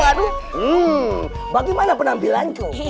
aduh bagaimana penampilanku